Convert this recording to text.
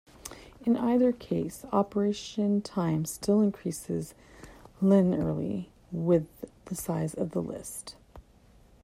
In either case, operation time still increases linearly with the size of the list.